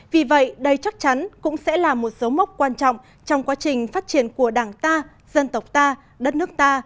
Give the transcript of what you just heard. vì vậy đây chắc chắn cũng sẽ là một dấu mốc quan trọng trong quá trình phát triển của đảng ta dân tộc ta đất nước ta